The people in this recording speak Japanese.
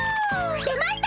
出ました！